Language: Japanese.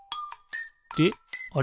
であれ？